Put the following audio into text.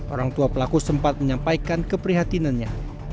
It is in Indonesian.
orang tua pelaku sempat menyampaikan keprihatinannya